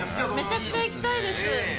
めちゃくちゃ行きたいです。